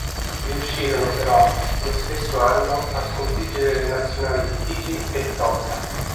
Riuscirono però lo stesso anno a sconfiggere le nazionali di Fiji e Tonga.